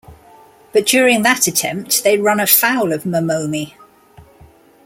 But during that attempt they run afoul of Momomi.